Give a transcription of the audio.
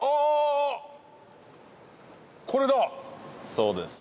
そうです。